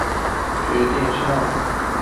决定向妈妈拿些钱放在身边